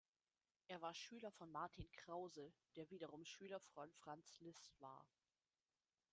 Er war Schüler von Martin Krause, der wiederum Schüler von Franz Liszt war.